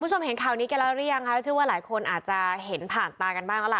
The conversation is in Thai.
คุณผู้ชมเห็นข่าวนี้กันแล้วหรือยังคะเชื่อว่าหลายคนอาจจะเห็นผ่านตากันบ้างแล้วล่ะ